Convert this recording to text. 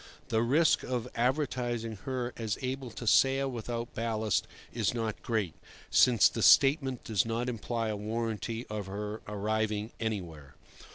The risk of advertising her as able to sail without ballast is not great, since the statement does not imply a warranty of her arriving anywhere.